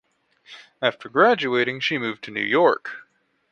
After graduating, she moved to New York.